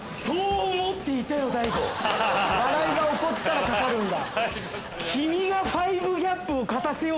笑いが起こったらかかるんだ。